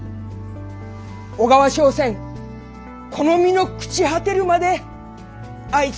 小川笙船この身の朽ち果てるまで相つとめまする！